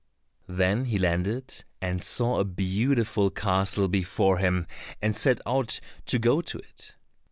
Then he landed and saw a beautiful castle before him, and set out to go to it.